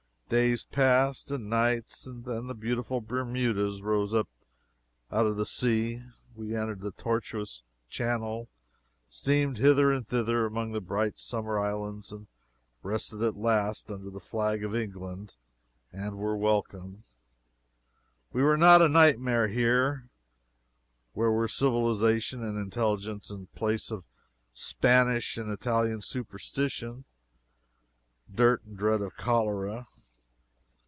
Days passed and nights; and then the beautiful Bermudas rose out of the sea, we entered the tortuous channel, steamed hither and thither among the bright summer islands, and rested at last under the flag of England and were welcome. We were not a nightmare here, where were civilization and intelligence in place of Spanish and Italian superstition, dirt and dread of cholera.